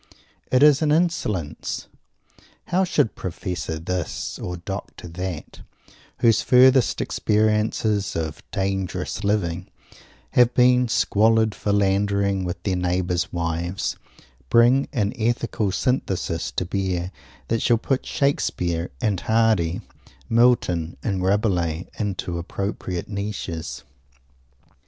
It is an insolence! How should Professor This, or Doctor That, whose furthest experiences of "dangerous living" have been squalid philanderings with their neighbours' wives, bring an Ethical Synthesis to bear that shall put Shakespeare and Hardy, Milton and Rabelais, into appropriate niches?